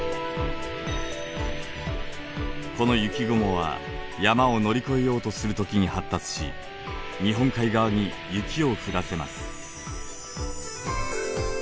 この雪雲は山を乗り越えようとする時に発達し日本海側に雪を降らせます。